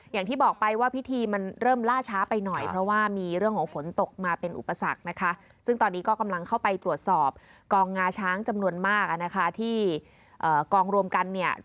อย่างที่บอกไปว่าพิธีมันเริ่มล่าช้าไปหน่อย